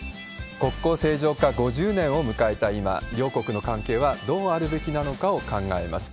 国交正常化５０年を迎えた今、両国の関係はどうあるべきなのかを考えます。